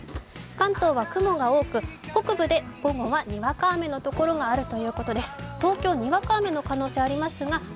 関東は雲が多く、北部で午後はにわか雨の所があるということです。